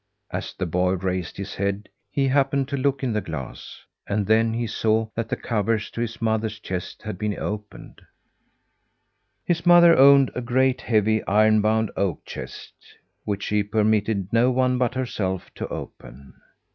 As the boy raised his head, he happened to look in the glass; and then he saw that the cover to his mother's chest had been opened. His mother owned a great, heavy, iron bound oak chest, which she permitted no one but herself to open.